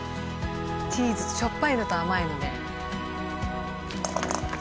チーズとしょっぱいのと甘いので。